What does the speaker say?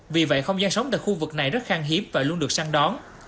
vì vậy không gian sống tại khu vực này rất kháng hiếp và luôn được săn đón